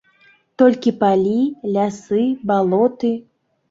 Толькі палі, лясы, балоты.